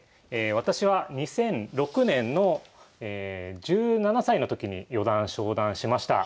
私は２００６年の１７歳の時に四段昇段しました。